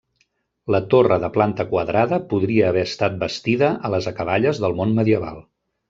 La torre de planta quadrada podria haver estat bastida a les acaballes del món medieval.